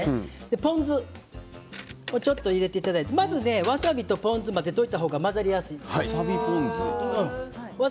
ポン酢ちょっと入れていただいてまず、わさびとポン酢を混ぜておいた方が混ぜやすい。